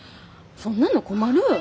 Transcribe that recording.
そんなの困る。